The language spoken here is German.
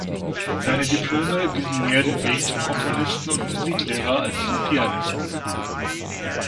Seine Diplome wiesen mehr den Weg zum Komponisten und Musiklehrer, als zum Pianisten.